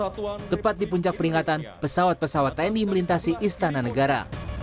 tepat di puncak peringatan pesawat pesawat tni melintasi istana negara